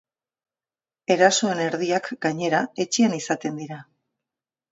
Erasoen erdiak, gainera, etxean izaten dira.